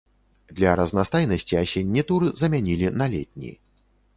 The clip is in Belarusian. Для разнастайнасці асенні тур замянілі на летні.